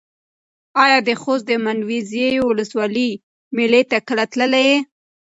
ایا د خوست د منډوزیو ولسوالۍ مېلې ته کله تللی یې؟